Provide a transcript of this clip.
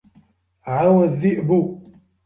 عَوَى الذِّئْبُ.